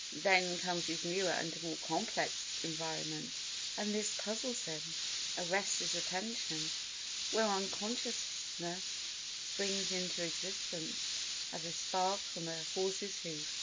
Then comes his newer and more complex environment, and this puzzles him—arrests his attention—whereon consciousness springs into existence, as a spark from a horse's hoof.